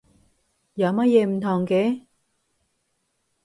有乜嘢唔同嘅？